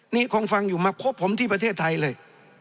นี่คงฟังอยู่มาคบผมที่ประเทศไทยเลย